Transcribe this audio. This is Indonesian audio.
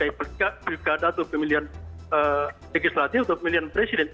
ada pemilihan legislatif atau pemilihan presiden